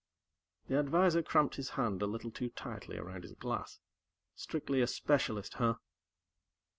The advisor cramped his hand a little too tightly around his glass. "Strictly a specialist, huh?"